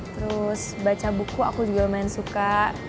terus baca buku aku juga lumayan suka